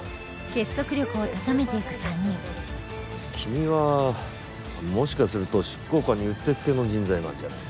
結束力を高めていく３人君はもしかすると執行官にうってつけの人材なんじゃないか？